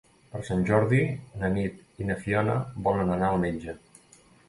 Per Sant Jordi na Nit i na Fiona volen anar al metge.